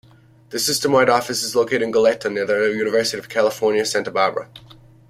The Systemwide Office is located in Goleta near the University of California, Santa Barbara.